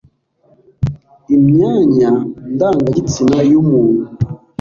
imyanya ndangagitsina y'umuntu